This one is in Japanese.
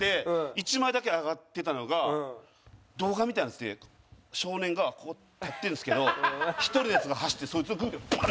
１枚だけ上がってたのが動画みたいなやつで少年がこう立ってるんですけど一人のヤツが走ってそいつをグーでバーン！